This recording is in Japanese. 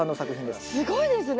すごいですね。